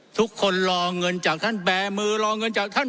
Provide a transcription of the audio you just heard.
ทุกคนรอเงินจากท่านแบร์มือรอเงินจากท่าน